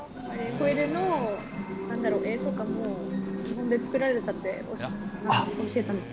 トイレの絵とかも、日本で作られたって教えられたので。